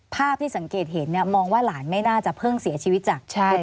ภาพที่สังเกตเห็นเนี่ยมองว่าหลานไม่น่าจะเพิ่งเสียชีวิตจาก